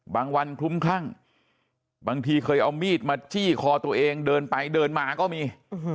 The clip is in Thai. บางวันคลุ้มคลั่งบางทีเคยเอามีดมาจี้คอตัวเองเดินไปเดินมาก็มี